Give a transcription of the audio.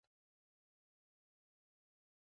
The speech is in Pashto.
• سترګې د انسان د هویت یوه مهمه برخه ده.